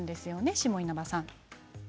下稲葉さん。